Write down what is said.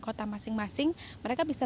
kota masing masing mereka bisa